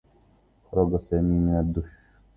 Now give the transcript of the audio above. خرج سامي من الدّوش.